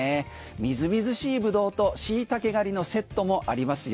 みずみずしいブドウとシイタケ狩りのセットもありますよ。